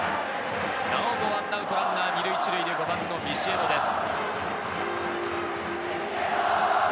なおも１アウトランナー２塁１塁で５番・ビシエドです。